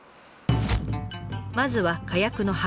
まずは火薬の配合。